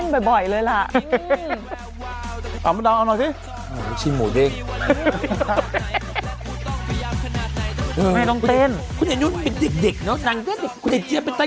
โปรดติดตามตอนต่อไป